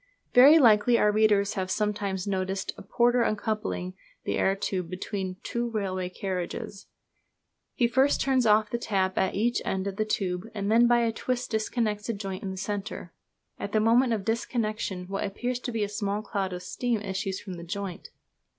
Very likely our readers have sometimes noticed a porter uncoupling the air tube between two railway carriages. He first turns off the tap at each end of the tube, and then by a twist disconnects a joint in the centre. At the moment of disconnection what appears to be a small cloud of steam issues from the joint.